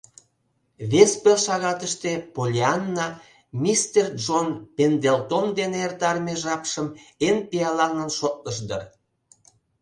Вес пел шагатыште Поллианна мистер Джон Пендлетон дене эртарыме жапшым эн пиаланлан шотлыш дыр.